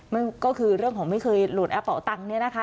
เรื่องของไม่เคยโหลดแอปเป่าตังค์เนี่ยนะคะ